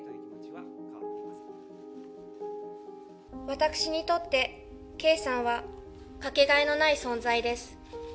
私にとって圭さんはかけがえのない存在です。